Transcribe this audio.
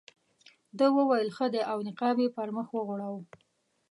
ده وویل ښه دی او نقاب یې پر مخ وغوړاوه.